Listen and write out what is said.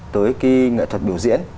tới cái nghệ thuật biểu diễn